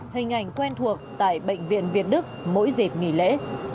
hình ảnh quen thuộc tại bệnh viện việt đức mỗi dịp nghỉ lễ